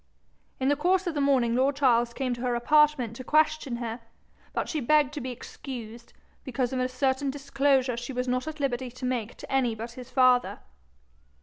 In the course of the morning lord Charles came to her apartment to question her, but she begged to be excused, because of a certain disclosure she was not at liberty to make to any but his father.